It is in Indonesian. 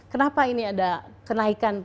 kenapa ini ada kenaikan